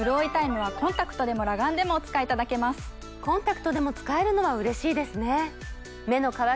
コンタクトでも使えるのはうれしいですね。